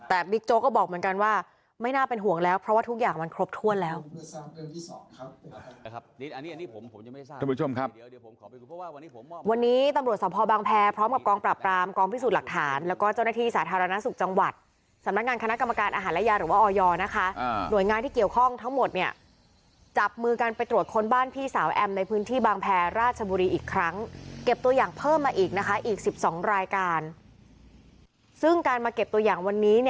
แต่บิ๊กโจ๊กก็บอกเหมือนกันว่าไม่น่าเป็นห่วงแล้วเพราะว่าทุกอย่างมันครบถ้วนแล้ว